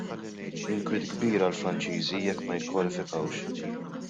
Inkwiet kbir għall-Franċiżi jekk ma jikkwalifikawx.